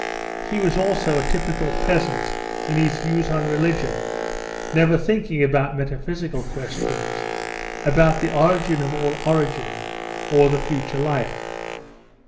He was also a typical peasant in his views on religion, never thinking about metaphysical questions, about the origin of all origin, or the future life.